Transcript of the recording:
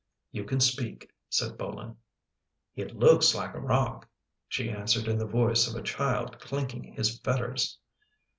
" You can speak," said Bolin. " It looks like a rock," she answered in the voice of a child clinking his fetters.